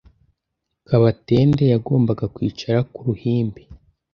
Kabatende yagombaga kwicara ku ruhimbi